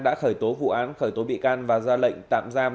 đã khởi tố vụ án khởi tố bị can và ra lệnh tạm giam